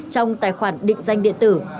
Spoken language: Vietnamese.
trong tài khoản định danh điện tử